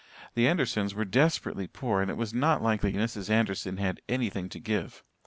The Andersons were desperately poor and it was not likely Mrs. Anderson had anything to give.